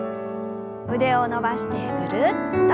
腕を伸ばしてぐるっと。